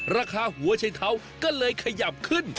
ราคาหัวชัยเท้าก็เลยขยับขึ้น